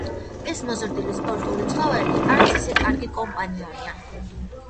ეს მოზრდილი, სპორტული ცხოველი არც ისე კარგი კომპანიონია.